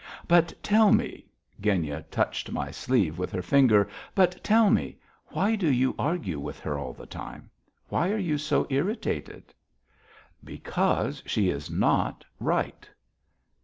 But tell me" Genya touched my sleeve with her finger "but tell me, why do you argue with her all the time? Why are you so irritated?" "Because she is not right."